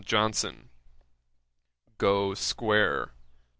JOHNSON.' 'Gough square, Dec.